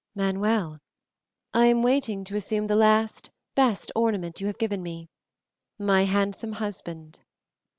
"Manuel, I am waiting to assume the last best ornament you have given me, my handsome husband."